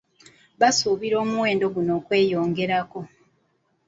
Basuubira omuwendo guno okweyongerako.